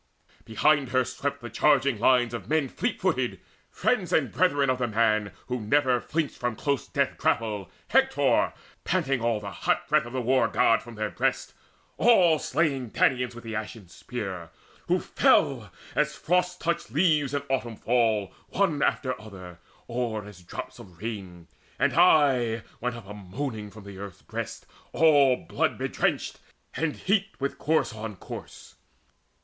Behind her swept The charging lines of men fleet footed, friends And brethren of the man who never flinched From close death grapple, Hector, panting all The hot breath of the War god from their breasts, All slaying Danaans with the ashen spear, Who fell as frost touched leaves in autumn fall One after other, or as drops of rain. And aye went up a moaning from earth's breast All blood bedrenched, and heaped with corse on corse.